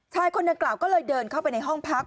คนนางกล่าวก็เลยเดินเข้าไปในห้องพัก